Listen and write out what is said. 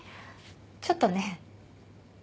ちょっとね。